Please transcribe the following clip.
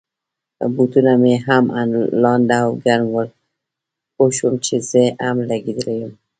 بوټونه مې هم لانده او ګرم ول، پوه شوم چي زه هم لګېدلی یم.